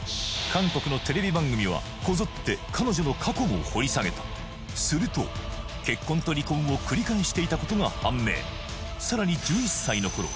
韓国のテレビ番組はこぞって彼女の過去も掘り下げたすると結婚と離婚を繰り返していたことが判明